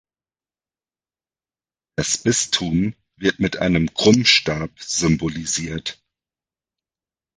Das Bistum wird mit einem Krummstab symbolisiert.